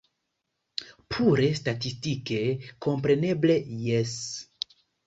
Pure statistike kompreneble jes.